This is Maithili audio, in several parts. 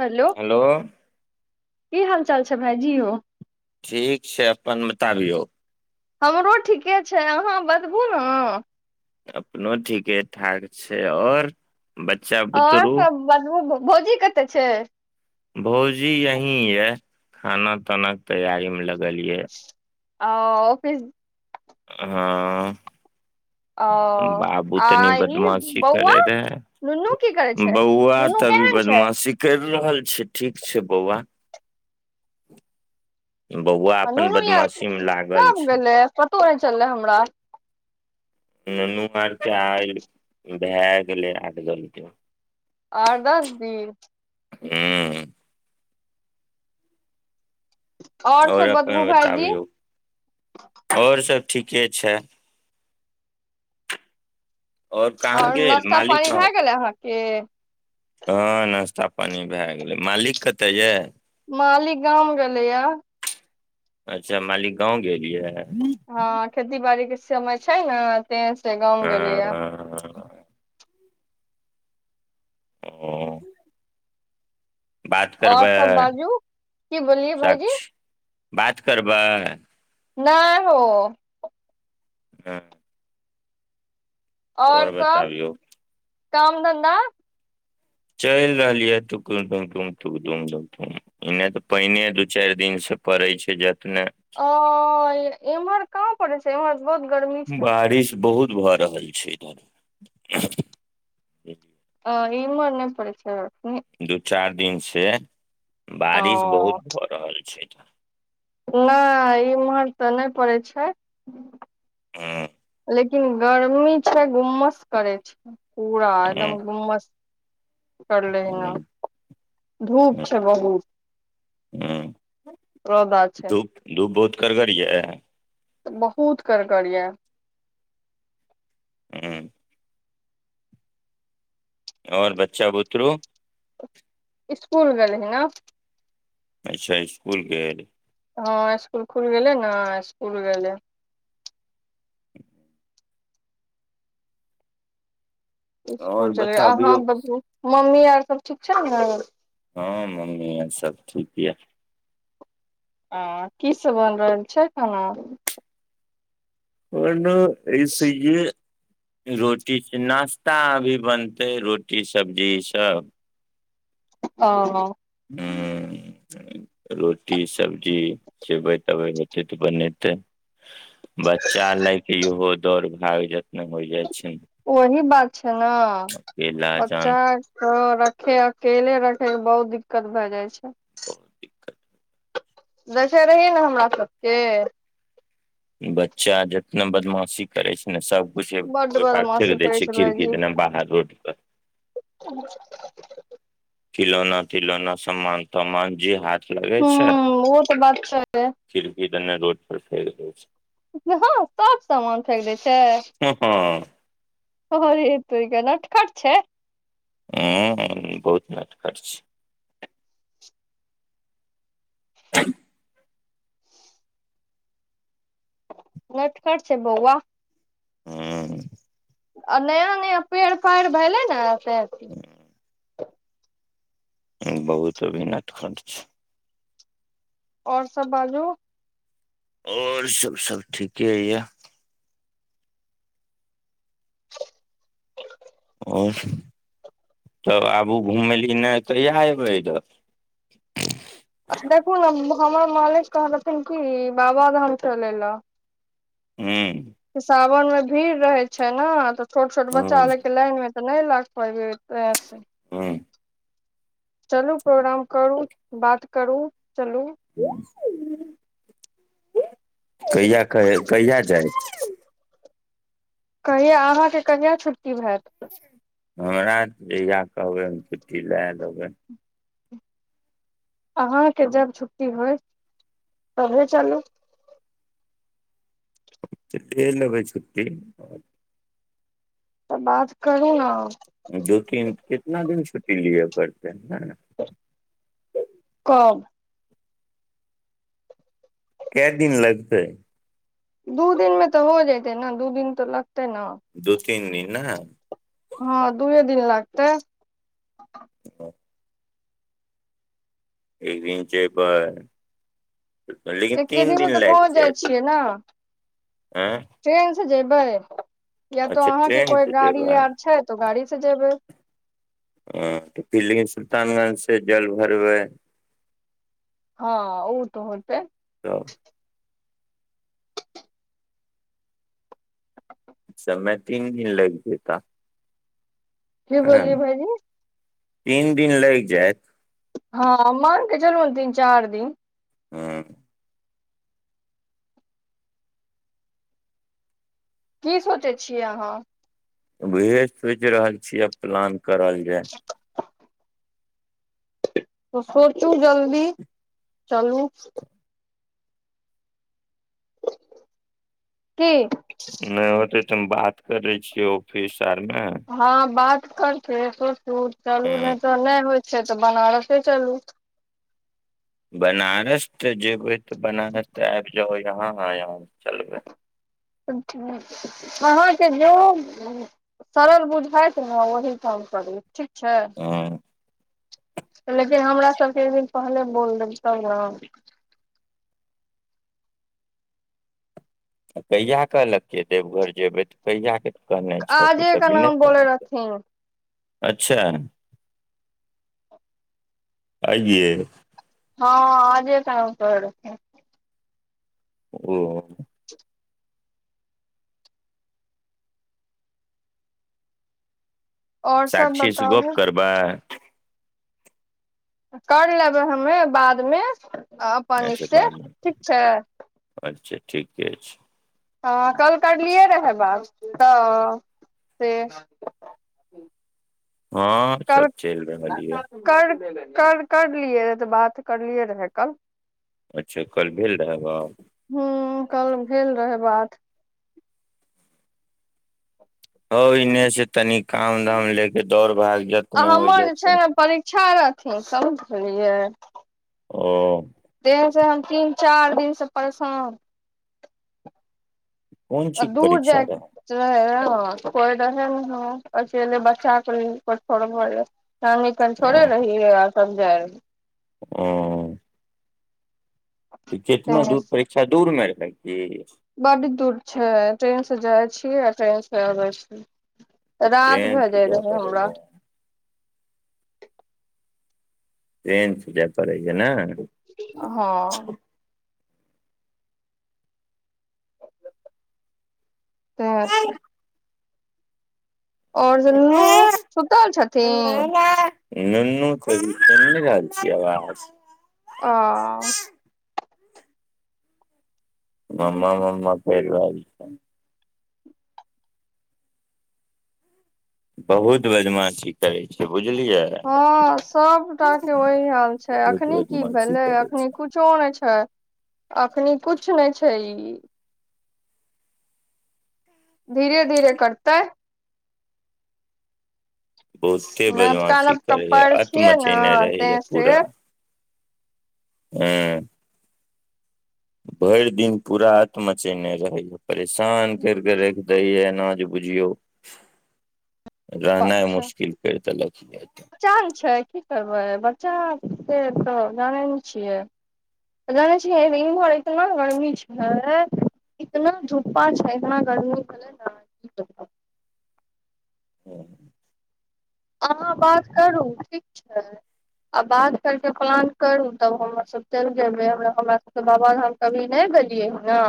हेलो हेलो की हाल चाल छै भाईजी यो ठीक छै अपन बताबियौ हमरो ठीके छै अहाँ बतबू नऽ अपनो ठीके ठाक छै आओर बच्चा आओर बुतरू सब [unintelligible] भौजी कतऽ छै भौजी यही ये खाना ताना कऽ तैयारी मे लगल ये आ ओफिस हँ ओ बाबू आ तनी ई बदमाशी बौआ करे रहै नुनू की करै छै बौआ नुनू तऽ अभी केहन छै बदमाशी कैर रहल छै ठीक छै बौआ बौआ आ अपन नुनू यर बदमाशी मे लागल कब छै गेल पतो नै चलले हमरा। नूनु अर केँ आई भए गेलै आठ दस दिन। आठ दस दिन। हुँ आओर सब बतबू अपन भाईजी। बताबियौ आओर सब ठिके छै। और कहाँ आओर गेल नाश्ता मालिक पानी कहाँ भए गेल? गेलै अहाँकेँ। हँ नाश्ता पानी भए गेलै मालिक कतऽ यऽ मालिक गाम गेलैय य। अच्छा मालिक गाँव गेल यै। हँ खेती बाड़ी केँ समय छै नऽ ते से गाँव गेलै यऽ ओ बात और करबै सब बाजू की बोललियै भाईजी साक्षी बात करबै। नय हो। [unintelligible] आओर और सब बताबियौ काम धन्धा चलि रहलियै तुकूम टुम टुम [unintelligible] एने तऽ पाइने दू चारि दिनसँ पड़ैय छै जेतने। अ एमहर काँहा पड़े छै एमहर बहुत गरमी बारिश बहुत भऽ रहल छै इधर आ ईमहर नै परे छै अखनी दू चारि दिन से ओ बारिश बहुत भऽ रहल छै एठाम नहि इमहर तऽ नय पड़ै छै हुँ लेकिन गर्मी छै गुम्मस करै छै पूरा हूँ एकदम गुम्मस [unintelligible] हूँ परलैनाधूप छै हूँ बहुत हूँ रौदा छै धूप धूप बहुत कड़गर यऽ बहुत कड़गड़ यऽ हूँ आओर बच्चा बुतरू स्कूल गल ह ने अचछा स्कूल गेल हँ स्कूल खुल गेले ने स्कूल गेले और स्कूल चल अहाँ बताबियौ बतबू मम्मी आर सब ठीक छै ने हँ मम्मी आर सब ठीक यऽ आ की सब बन रहल छै खाना परन असये रोटी छै नाश्ता अभी बनतै रोटी सब्जी ई सब ओ हु रोटी सब्जी सेबै तबे ने होते तऽ बनेतै बच्चा लएके इहो दौड़ भाग जतने होइ जाइ छै ने ओही बात छै ने [inaudible] अकेला बच्चा जान हँ रखे अकेले रखे के बहुत दिक्कत भए जाइ छै बहुत दिक्कत दखे रहिये ने हमरा सबके बच्चा जितना बदमाशी करै छै सब कुछ बड्ड फोर फैर फेक बदमाशी दय करै छै खिड़की भाईजी देने बाहर रोड पर [unintelligible] खिलौना तिलौना समान तामान जे हाथ लगे ह छै ओ तऽ बात छै खिड़की देने रोड पर फेक दय छै हँ सब समान फेक दय छै हूँ हँ अरे तोरि के नट खट छै ह हु बहुत नटखट छै [unintelligible] नटखट छै बौआ हँ हू आ नया नया पेड़ पैर भेलै ने तै [unintelligible] बहुत अभी नटखट छै आओर सब बाजू। और सब सब ठीके य। आओर तब आबू घुमली नहि कहिया अयबै इधर। देखू ने हमर मालिक कह रहथिन की बाबाधाम चले लए हूँ सावन में भीड़ रहे छै ने तऽ छोट छोट बच्चा हूं ल के लाइन मे नहि लग पवे ते से हँ चलू प्रोग्राम करू बात करू चलू। कहिया कहै कहिया जाइ कहिया अहाँके कहिया छुट्टी हैत। हमरा जहिया कहबै हम छुट्टी लए लेबै। अहाँके जब छुट्टी होय तबे चलू। ले लेबै छुट्टी। तऽ बात करू न। दू तीन कितना दिन छुट्टी लिय पड़तै। कब कै दिन लगतै। दू दिन मे तऽ हो जैतै न दू दिन तऽ लगतै न। दू तीन दिन न। हँ दुए दिन लगतै। [inaudible] एक दिन जैबेय। एके दिनमे तऽ लागि पहुँच जाइ जायत छियै न। आँय ट्रेन से जेबे या तो अच्छा अहाँ के ट्रेन कोई से गाड़ी जेबै आर छै तो गाड़ी से जेबै। हँ तऽ फिर लेकिन सुलतान गंज से जल भरबै। हँ उ तऽ होतै। तब ओइमे तीन दिन लगि जेता। की हँ बोललियै भाइजी। तीन दिन लागि जाइत। हँ मानके चलू न तीन चार दिन। हँ की सोचै छियै आहाँ। उहे सोचि रहल छियै आब प्लान कऽ रहलिये। तऽ सोचू जल्दी चलू। की नय होतै तऽ हम बात करै छियै ऑफिस आरमे। हँ बात करते सोचू चलू हँ नय तऽ नय होइ छै तऽ बनारसे चलू। बनारस ते जेबै तऽ बनारस तऽ आबि जाहो यहाँ यहाँ से चलबै। अहाँके जो सरल बुझाइत ने ओहि काम करू ठीक छै। हुँ लेकिन हमरा सबके एक दिन पहले बोल देेब तब न। कहिया कहलके देवघर जेबै तऽ कहिया के कहने छै कुछ आजे के अभी नय नाम बोले कहलकै। रहथिन अच्छा आइये। हँ आजे काम करै छै। ओ और सब साक्षीस गप्प बताबू करबै। कर लेबै हमे बादमे अपन ई अच्छा से बादमे ठीक छै। अच्छा ठीके छै। हँ कल करलियै रहे बात तऽ से ह कल कर कर करलियै रहे तऽ बात करलियै रहे कल। अच्छा कल भेल रहा बात। हूं कल भेल रहै बात हौ इनहे से तनी काम धाम ले के दौड़ भाग आ जतने होइ हमर जाइ जे छै ने परीक्षा रहथिन समझलियै ओ देहन से हम तीन चार दिन से परेशान कोन आ चीज दूर परीक्षा जाय रहै कोइ रहे ने ह अकेले बच्चाेोड़ ब [unintelligible] कानन थोड़े रहि आ [unintelligible] ऊ त केतना ट्रेन दूर से परीक्षा दूर मे रहै कि बड दूर छै ट्रेन से जाइ छीयै आ ट्रेन से अबै छीयै रात ट्रेन से भेजय जाय रहै हमरा पड़ैया ट्रेन से जाय पड़ै या नाय हँ तेहेस और सब नूनू सुतल छथिन नूनू के सु नय रहल छीय आबज आ मम्मा मम्मा कैर रहल छै बहुत बदमाशी करै छय बुझलियैय हँ सभटा के ओहि हाल छै बहुत अखनी की बदमाशी भेलैय करै अखनि छै कुछु किछो नय छै अखनी कुछ नय छै ई धीरे धीरे करतै बहुते नबका बदमासी नबका करै या पैर अत छियै ने मचेने रहै तै या से पूरा छै हू भरि दिन पूरा आत्म मचेने रहैय परेशान करके रख दै या एना जे बुझियौ रहनाइ मुश्किल कैर देलक या त च्चा ने छै की करबै बच्चा के तऽ जानै नै छियै जानय छियै एबेर ईमहर ईतना गर्मी छैय इतना धुप्पा छै इतना गर्मी भलैय न कि अहाँ बात करू ठीक छैय आ बात करके प्लान करू तब हम सब चलि जेबै हमरा सबके बाबाधाम कभी नय देलियै ह न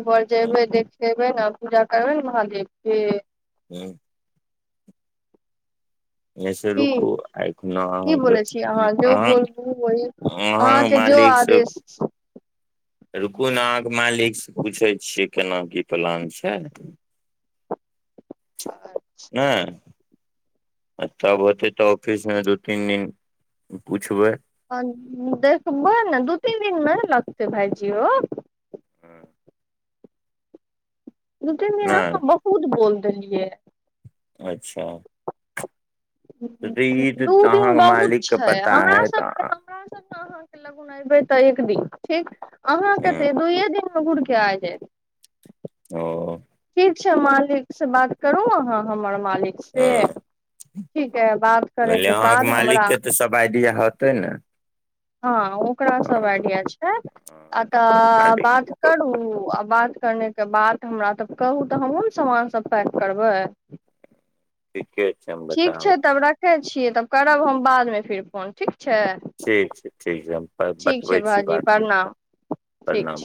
एकबार जेबै देखेबै न पूजा करबै न महादेव के ह यऽ से की रुकू एखनो की अहाँके ब छीिय अहाँ जेौ बोबू ओहि [unintelligible] अहाँ अहाँके जो आदेश रुकु न अहाँके मालिकसँ पूछै छियै केना की प्लान छैय आ नाय आच्छा होतै तऽ ऑफिसमे दू तीन दिन पुछबै देखबहो ने दू तीन दिनमे ने लगतै भाईजी ओ दू तीन दिन अहाँ नहि बहुत बोल देलियै। अच्छा तऽ ई तऽ दू दिन अहाँके बहुत मालिक के छैय पता हमरा है सभके तऽ हमरा सब न अहां। [unintelligible] एबै तऽ एक दिन ठीक अहाँ हँ, केे दुयए दिन मे घुर के आ जायत। ओ ठीक छै मालिक स बात करु अहाँ हमर मालिक से ठीक यै बात करैके बाद हमरा सबाय दिया होतै ने हँ ओकरा हँ सब एडिया हँ छै आ अहाँके तऽ मालिक बात से करू गप आ बात करनेके बात हमरा तऽ कहू तऽ हमहुँ ने समान सब पैक करबाय। ठीके छैयम। ठीक छैय तब रखै छियै तब करब हम बादमे फेर फोन ठीक छैय। ठीक छैय ठीक छैय हम प बतबै छी भाईजी बात कर कऽ प्रणाम ठीक छै प्रणाम।